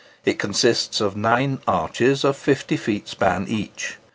It consists of nine arches of fifty feet span each.